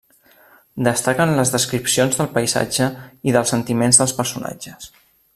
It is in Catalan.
Destaquen les descripcions del paisatge i dels sentiments dels personatges.